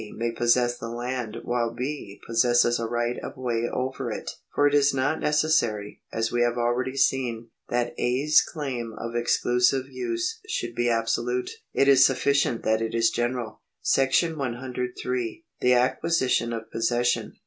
may possess the land, while B. possesses a right of way over it. For it is not neces sary, as we have already seen, that A.'s claim of exclusive use should be absolute ; it is sufficient that it is general. § 103. The Acquisition of Possession.